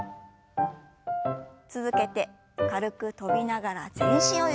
続けて軽く跳びながら全身をゆすります。